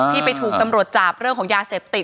ที่ไปถูกตำรวจจับเรื่องของยาเสพติด